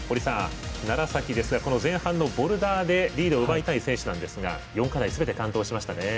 楢崎ですが前半のボルダーでリードを奪いたい選手なんですが４課題、すべて完登しましたね。